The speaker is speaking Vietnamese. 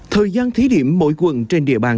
thời gian thí điểm mỗi quận trên địa bàn